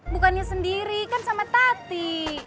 bukannya sendiri kan sama tati